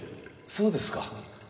そうですか。